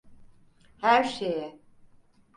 Her şeye.